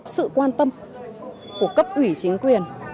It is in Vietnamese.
sự quan tâm của cấp ủy chính quyền